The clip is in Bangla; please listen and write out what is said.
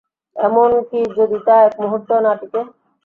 এমনকি যদি তা এক মুহূর্তও না টিকে।